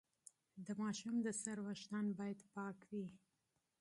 د ماشوم د سر ویښتان باید پاک وي۔